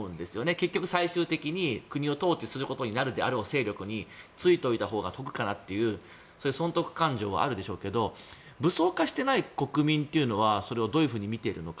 結局、最終的に国を統治することになる勢力についておいたほうが得かなっていう損得勘定はあるでしょうけど武装化していない国民はそれをどうみているのか。